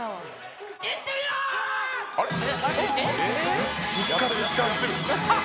いってみよう！